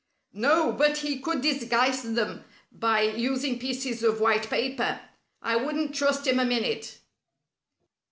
"No, but he could disguise them by using pieces of white paper. I wouldn't trust him a minute."